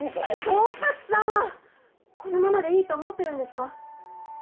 統括さんはこのままでいいと思ってるんですか？